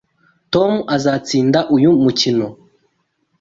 Tom azatsinda uyu mukino.